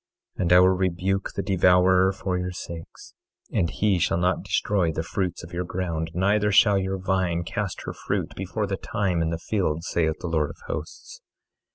24:11 And I will rebuke the devourer for your sakes, and he shall not destroy the fruits of your ground; neither shall your vine cast her fruit before the time in the fields, saith the Lord of Hosts.